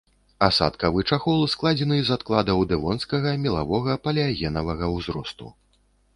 Асадкавы чахол складзены з адкладаў дэвонскага, мелавога, палеагенавага ўзросту.